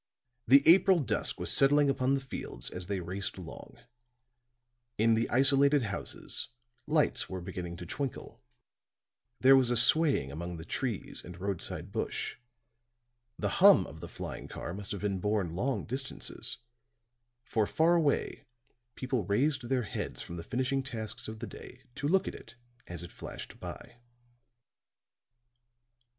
The April dusk was settling upon the fields as they raced along; in the isolated houses, lights were beginning to twinkle; there was a swaying among the trees and roadside bush; the hum of the flying car must have been borne long distances; for far away people raised their heads from the finishing tasks of the day to look at it as it flashed by.